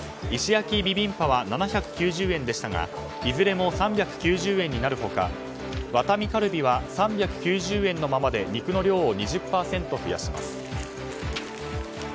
石焼ビビンパは７９０円でしたがいずれも３９０円になる他ワタミカルビは３９０円のままで肉の量を２０％増やします。